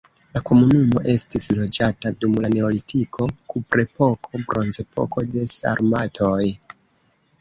La komunumo estis loĝata dum la neolitiko, kuprepoko, bronzepoko, de sarmatoj.